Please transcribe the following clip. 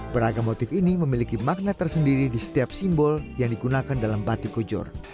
beragam motif ini memiliki makna tersendiri di setiap simbol yang digunakan dalam batik kujur